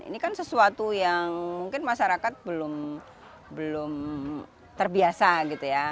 ini kan sesuatu yang mungkin masyarakat belum terbiasa gitu ya